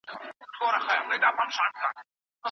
دا دايره غوندي شکل دئ.